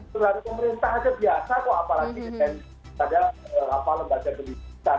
terhadap pemerintah biasa kok apalagi di tempat tempat lembaga pendidikan